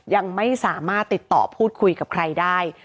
ยังไม่สามารถติดต่อพูดคุยกับใครได้